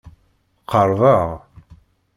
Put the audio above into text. Qerrbeɣ.